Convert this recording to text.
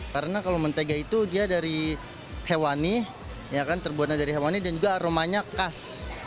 karena kalau mentega itu dia dari hewani ya kan terbuatnya dari hewani dan juga aromanya khas